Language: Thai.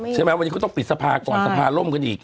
ใช่ไหมวันนี้เขาต้องปิดสภาก่อนสภาล่มกันอีก